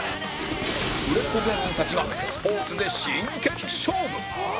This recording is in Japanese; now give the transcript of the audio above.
売れっ子芸人たちがスポーツで真剣勝負